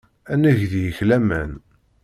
Ad neg deg-k laman.